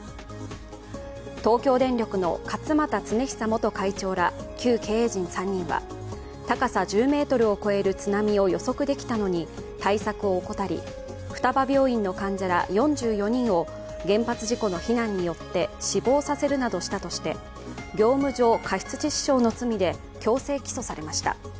東京電力の勝俣恒久元会長ら旧経営陣３人は高さ１０ｍを超える津波を予測できたのに対策を怠り、双葉病院の患者ら４４人を原発事故の避難によって死亡させるなどしたとして業務上過失致死致傷の罪で強制起訴されました。